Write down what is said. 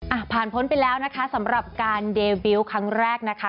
อ่ะผ่านพ้นไปแล้วนะคะสำหรับการเดบิลต์ครั้งแรกนะคะ